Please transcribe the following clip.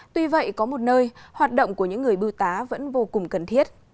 tuy vậy có một nơi hoạt động của những người bưu tá vẫn vô cùng cần thiết